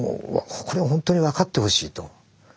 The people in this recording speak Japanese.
これはほんとに分かってほしい」と。